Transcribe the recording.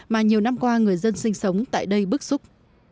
mà nhiều năm qua người dân sinh sống tại đây bức xúc